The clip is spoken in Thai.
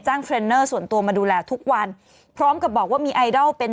จ้างส่วนตัวมาดูแลทุกวันพร้อมกันบอกว่ามีไอดอลเป็น